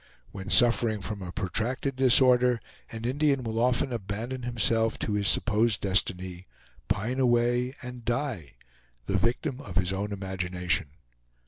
When suffering from a protracted disorder, an Indian will often abandon himself to his supposed destiny, pine away and die, the victim of his own imagination.